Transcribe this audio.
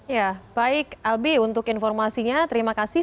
ya baik albi untuk informasinya terima kasih